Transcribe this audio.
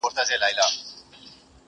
• پسو واخیست د مُلا چرګوړی خوله کي..